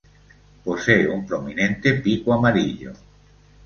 Posee un prominente pico amarillo.